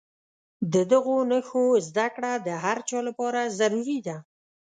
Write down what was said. د دغو نښو زده کړه د هر چا لپاره ضروري ده.